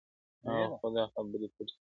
هغه خو دا خبري پټي ساتي.